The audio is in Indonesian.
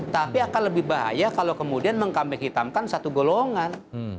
tapi akan lebih bahaya kalau kemudian mengkambing hitamkan satu golongan